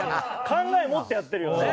考え持ってやってるよね。